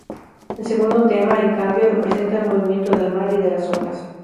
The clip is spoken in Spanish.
El segundo tema, en cambio, representa el movimiento del mar y de las olas.